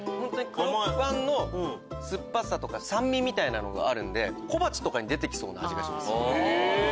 黒パンの酸っぱさとか酸味みたいなのがあるんで小鉢とかに出てきそうな味がします。